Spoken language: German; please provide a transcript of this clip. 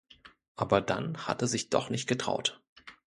Aber dann hat er sich doch nicht getraut.